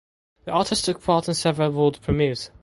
The artist took part in several world premieres.